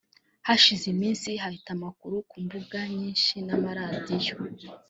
Hashize iminsi hahita amakuru ku mbuga nyinsi n’amaradiyo